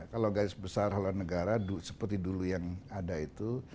kalau garis besar haluan negara seperti dulu yang ada itu